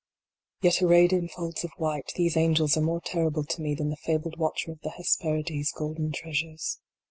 Yet arrayed in folds of white, these angels are more terrible to me than the fabled watcher of the Hesperides golden treasures.